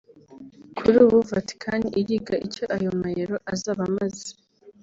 Kuri ubu Vatikani iriga icyo ayo mayero azaba amaze